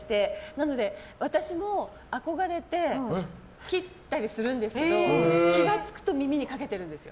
なので、私も憧れて切ったりするんですけど気が付くと耳にかけてるんですよ。